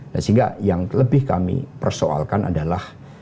nah sehingga yang lebih kami persoalkan adalah